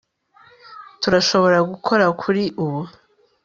turashobora gukora kuri ubu